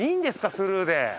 スルーで。